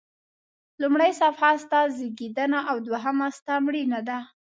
لومړۍ صفحه ستا زیږېدنه او دوهمه ستا مړینه ده.